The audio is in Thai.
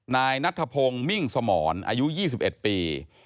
นายนัทธพงศ์มิ่งสมรอายุ๒๑ปี